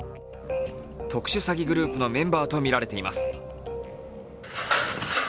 特殊詐欺グループのメンバーとみられています。